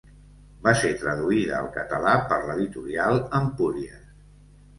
Va ser traduïda al català per l'editorial Empúries.